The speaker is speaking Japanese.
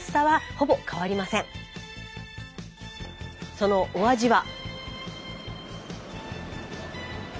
そのお味は。